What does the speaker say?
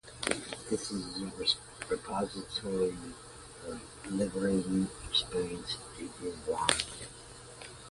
This is the repository of liberating experience in Islam.